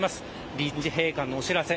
臨時閉館のお知らせ